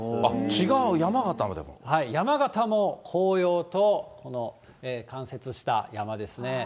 違う、山形も紅葉と、この冠雪した山ですね。